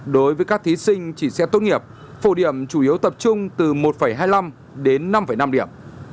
đối với các thí sinh chỉ xét tốt nghiệp phổ điểm chủ yếu tập trung từ một hai mươi năm đến năm năm điểm